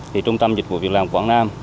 thì trung tâm dịch vụ việc làm quảng nam